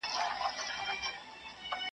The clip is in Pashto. هم یې بوی هم یې لوګی پر ځان منلی .